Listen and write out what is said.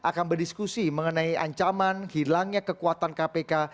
akan berdiskusi mengenai ancaman hilangnya kekuatan kpk